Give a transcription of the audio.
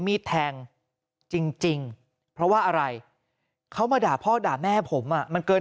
มีดแทงจริงเพราะว่าอะไรเขามาด่าพ่อด่าแม่ผมอ่ะมันเกิน